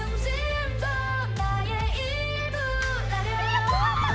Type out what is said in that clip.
やったー！